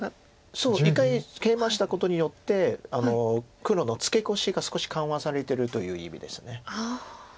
そう１回ケイマしたことによって黒のツケコシが少し緩和されてるという意味です。